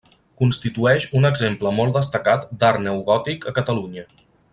Constitueix un exemple molt destacat d'art neogòtic a Catalunya.